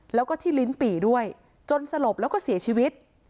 แล้วก็ที่ลิ้นปี่ด้วยจนสลบแล้วก็เสียชีวิต